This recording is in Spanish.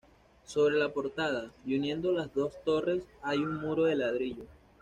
Sobre la portada, y uniendo las dos torres, hay un muro de ladrillo.